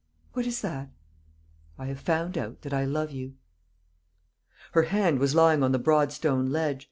"What is that?" "I have found out that I love you." Her hand was lying on the broad stone ledge.